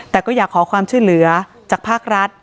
แต่ก็อยากขอความช่วยเหลือจากภาครัฐ